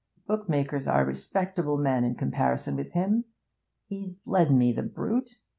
'Bookmakers are respectable men in comparison with him. He's bled me, the brute!